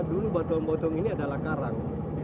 dulu batu batu ini adalah karang